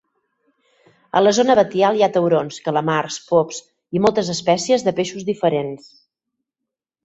A la zona batial hi ha taurons, calamars, pops i moltes espècies de peixos diferents.